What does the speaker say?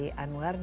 karena dia muslim